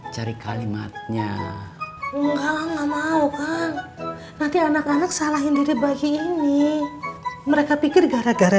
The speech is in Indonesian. cari kalimatnya enggak mau nanti anak anak salahin dede bagi ini mereka pikir gara gara